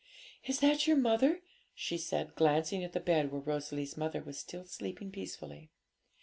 'Is that your mother?' she said, glancing at the bed where Rosalie's mother was still sleeping peacefully.